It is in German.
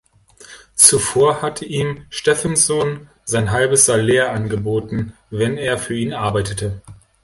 Zuvor hatte ihm Stephenson sein halbes Salär angeboten, wenn er für ihn arbeitete.